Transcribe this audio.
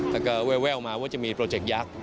แต่ก็แววมาว่าจะมีโปรเจคยักษ์